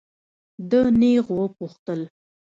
ده نېغ وپوښتل.